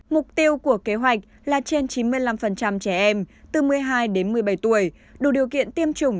mục tiêu của kế hoạch là trên chín mươi năm trẻ em từ một mươi hai đến một mươi bảy tuổi đủ điều kiện tiêm chủng